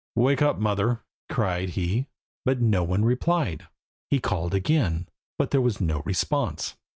"Wake up, mother," cried he, but no one replied. He called again, but there was no response.